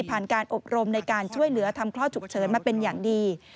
การอบรมในการช่วยเหลือทำคลอดฉุกเฉินมาเป็นอย่างดี